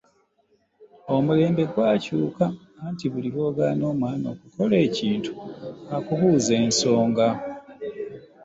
Omulembe gwakyuka anti buli lw'ogaana omwana okukola ekintu akubuuza ensonga.